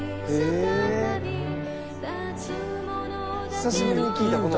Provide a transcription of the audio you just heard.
久しぶりに聴いたこの歌。